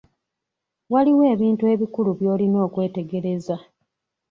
Waliwo ebintu ebikulu by'olina okwetegereza.